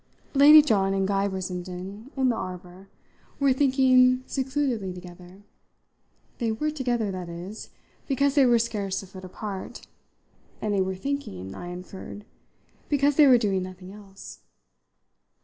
Lady John and Guy Brissenden, in the arbour, were thinking secludedly together; they were together, that is, because they were scarce a foot apart, and they were thinking, I inferred, because they were doing nothing else.